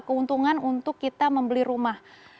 keuntungan untuk kita membeli rumah